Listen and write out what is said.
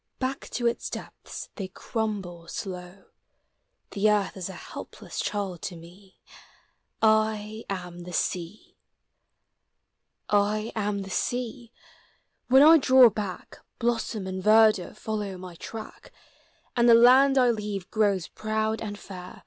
Back to its depths they crumble slow : The earth is a helpless child to me — I am the Sea! I am the Sea. When I draw back Blossom and verdure follow my track, And the land I leave grows proud and fair.